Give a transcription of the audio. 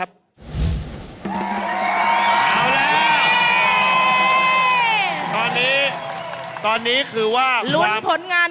แล้วยังมีเวลาเหลือแล้ว